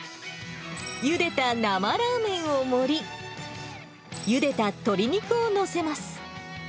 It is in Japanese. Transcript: ゆでた生ラーメンを盛り、ゆでた鶏肉を載せます。